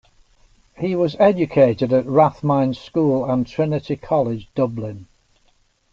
He was educated at Rathmines School and Trinity College, Dublin.